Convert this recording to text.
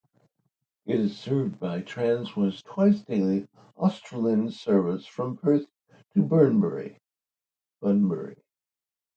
It is served by Transwa's twice daily "Australind" service from Perth to Bunbury.